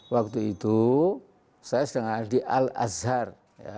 waktu itu saya sedang ada di al azhar